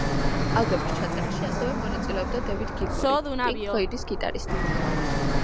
ალბომის ჩაწერაში ასევე მონაწილეობდა დევიდ გილმორი, პინკ ფლოიდის გიტარისტი.